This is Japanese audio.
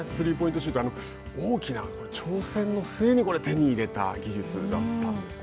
シュート大きな挑戦の末に手に入れた技術だったんですね。